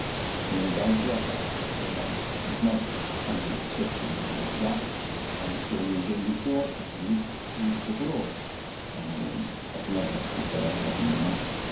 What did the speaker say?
第１話からこれがまずかなりショッキングですがそういう現実をちゃんと見るというところをわきまえさせていただいたと思います。